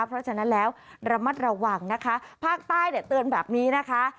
เพราะฉะนั้นแล้วระมัดระวังนะคะภาคใต้เนี่ยเตือนแบบนี้นะคะ